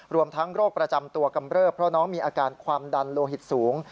รวมทั้งโรคประจำตัวกำเริบเพราะน้องมีอาการความดันโลหิตสูง